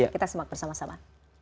kita simak bersama sama